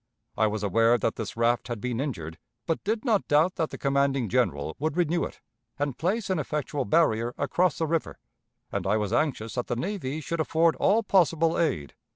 I was aware that this raft had been injured, but did not doubt that the commanding General would renew it, and place an effectual barrier across the river, and I was anxious that the navy should afford all possible aid.